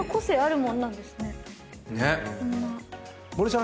森さん